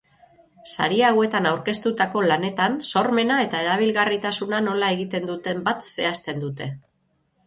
Sari hauetan aurkeztutako lanetan sormena eta erabilgarritasuna nola egiten duten bat zehazten dute.